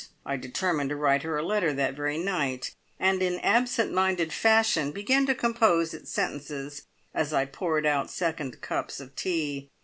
I determined to write her a letter that very night, and in absent minded fashion began to compose its sentences as I poured out second cups of tea.